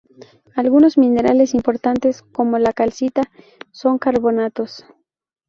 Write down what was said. Algunos minerales importantes, como la calcita, son carbonatos.